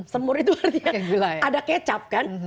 semur itu artinya ada kecap kan